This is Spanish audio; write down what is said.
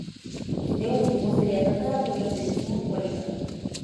Este último sería tatarabuelo de Simón Bolívar.